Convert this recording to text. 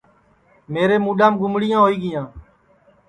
میرے مُڈؔام گُمڑیاں ہوئی گیاں